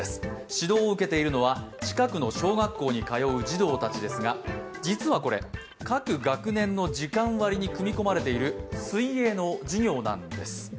指導を受けているのは近くの小学校に通う児童たちですが実はこれ、各学年の時間割に組み込まれている水泳の授業なんです。